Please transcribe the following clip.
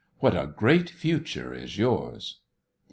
What a great future is yours!"